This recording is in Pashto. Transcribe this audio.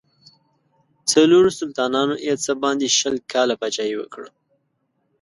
څلورو سلطانانو یې څه باندې شل کاله پاچهي وکړه.